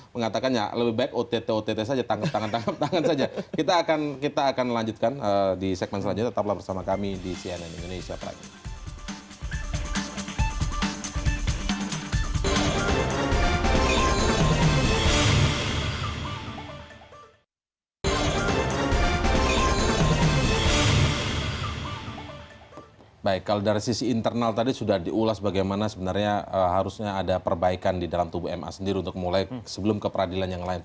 mengatakan ya lebih baik ott ott saja